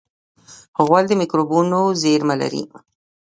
غول د مکروبونو زېرمې لري.